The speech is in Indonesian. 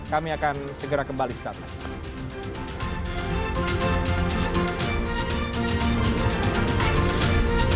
kami akan segera kembali setelah ini